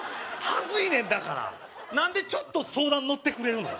はずいねんだから何でちょっと相談のってくれるの？